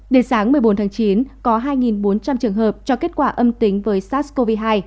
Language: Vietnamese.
đến sáng một mươi bốn tháng chín có hai bốn trăm linh trường hợp cho kết quả âm tính với sars cov hai